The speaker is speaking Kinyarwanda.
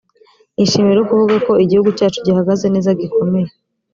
nishimiye rero kuvuga ko igihugu cyacu gihagaze neza gikomeye